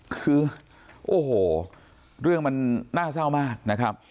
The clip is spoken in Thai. คือโอ้โหเรื่องมันน่าเศร้ามากนะครับ